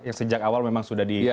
yang sejak awal memang sudah di